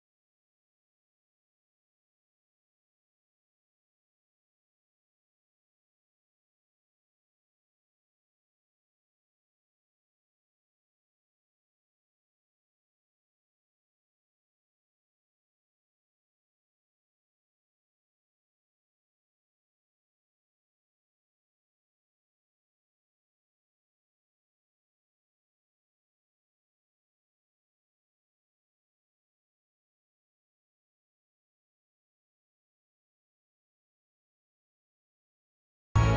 kamu mau ke tempat pembahasan